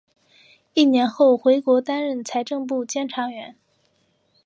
一年后回国担任财政部监察员。